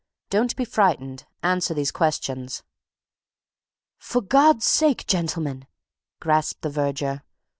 "Don't be frightened; answer these questions!" "For God's sake, gentlemen!" grasped the verger.